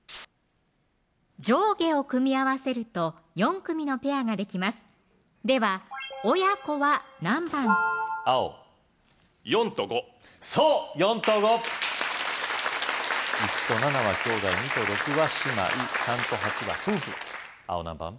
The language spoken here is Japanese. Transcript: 上下を組み合わせると４組のペアができますでは親子は何番青４と５そう４と５１と７は兄弟２と６は姉妹３と８は夫婦青何番？